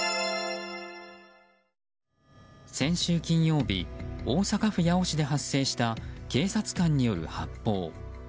先週金曜日大阪府八尾市で発生した警察官による発砲。